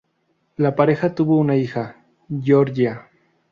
La pareja tuvo una hija, Giorgia.